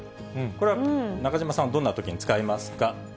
これは中島さん、どんなときに使いますか。